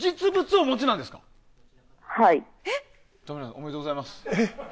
おめでとうございます。